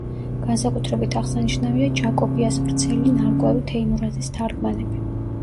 განსაკუთრებით აღსანიშნავია ჯაკობიას ვრცელი ნარკვევი „თეიმურაზის თარგმანები“.